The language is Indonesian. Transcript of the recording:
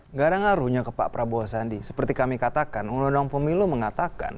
nggak ada ngaruhnya ke pak prabowo sandi seperti kami katakan undang undang pemilu mengatakan